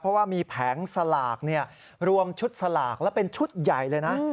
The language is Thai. เพราะว่ามีแผงสลากรวมชุดสลากและเป็นชุดใหญ่เลยนะ